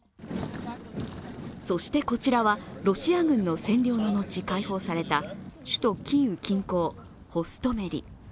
そして、こちらはロシア軍の占領の後、解放された首都キーウ近郊、ホストメリ。